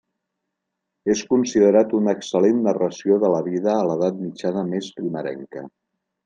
És considerat una excel·lent narració de la vida a l'edat mitjana més primerenca.